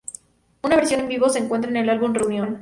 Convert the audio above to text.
Una versión en vivo se encuentra en el álbum Reunion.